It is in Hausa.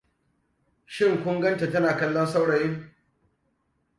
Shin kun gan ta tana kallon saurayin?